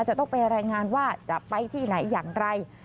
จะต้องไปรายงานว่าจะไปที่ไหนอย่างไร